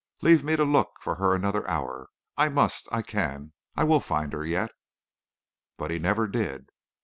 Leave me to look for her another hour. I must, I can, I will find her yet!' "But he never did.